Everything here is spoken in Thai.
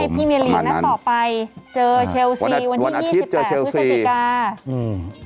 นี่ไงพี่เมรินนั้นต่อไปเจอเชลซีวันที่๒๘พฤศจิกา